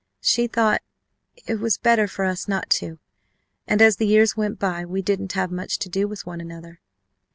She thought it was better for us not to and as the years went by we didn't have much to do with one another.